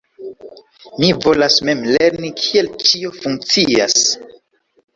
Mi volas mem lerni kiel ĉio funkcias.